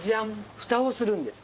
蓋をするんです。